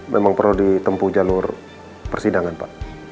memang perlu ditempuh jalur persidangan pak